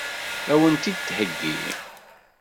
Ad wen-t-id-theggi?